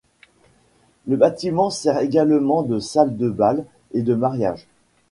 Le bâtiment sert également de salle de bals et de mariages.